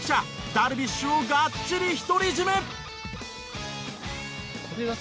ダルビッシュをガッチリ独り占め！